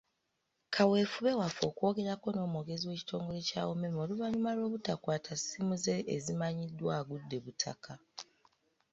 Kaweefube waffe okwogerako n'omwogezi w'ekitongole kya UMEME oluvannyuma lw'obutakwata ssimu ze ezimanyiddwa, agudde butaka.